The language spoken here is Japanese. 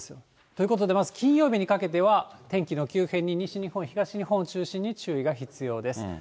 ということで、まず金曜日にかけては天気の急変に、西日本、東日本を中心に注意が必要です。